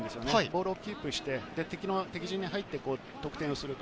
ボールをキープして敵陣に入ってゴールをする。